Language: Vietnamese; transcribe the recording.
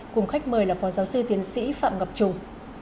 cùng khách mời là phó giáo sư tiến sĩ phạm ngọc trùng